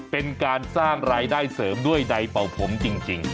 เป็นการสร้างรายได้เสริมด้วยใดเป่าผมจริง